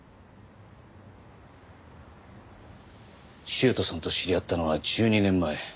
修斗さんと知り合ったのは１２年前。